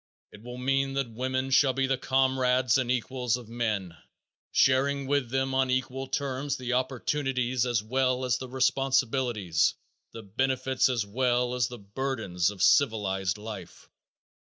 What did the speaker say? It will mean that women shall be the comrades and equals of men, sharing with them on equal terms the opportunities as well as the responsibilities, the benefits as well as the burdens of civilized life.